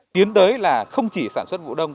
tiến tới là không chỉ sản xuất vụ đông